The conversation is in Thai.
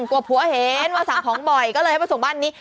กลัวผัวเห็นว่าสั่งของบ่อยก็เลยให้มาส่งบ้านนี้